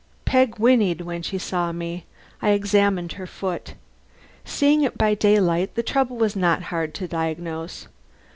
Peg whinneyed when she saw me. I examined her foot. Seeing it by daylight the trouble was not hard to diagnose.